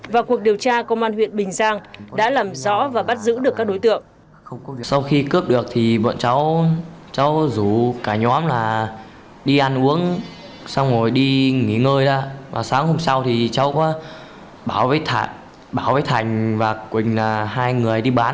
và cuộc điều tra công an huyện bình giang đã làm rõ và bắt giữ được các đối tượng